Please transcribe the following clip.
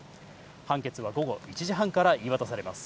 判決は午後１時半から言い渡されます。